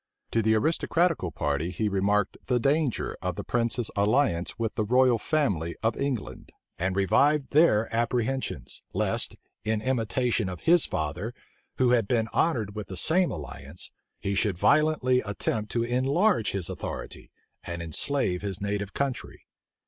To the aristocratical party he remarked the danger of the prince's alliance with the royal family of England, and revived their apprehensions, lest, in imitation of his father, who had been honored with the same alliance, he should violently attempt to enlarge his authority, and enslave his native country.